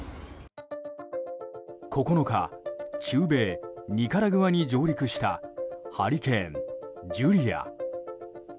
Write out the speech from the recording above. ９日、中南米ニカラグアに上陸したハリケーン、ジュリア。